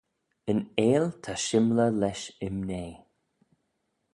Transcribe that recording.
Yn eill ta shymley lesh imnea.